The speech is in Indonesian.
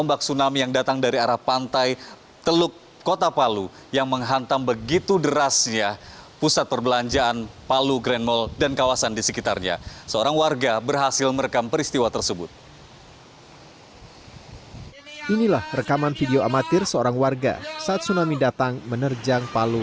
menggunakan kamera drone tim liputan cnn indonesia memiliki gambar terkini kawasan kondisi pusat perbelanjaan palu grand mall pasca diterjang tsunami